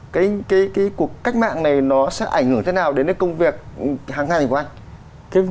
cái cuộc cách mạng này nó sẽ ảnh hưởng thế nào đến cái công việc hàng ngày của anh